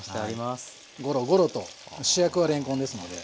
ゴロゴロと主役はれんこんですので。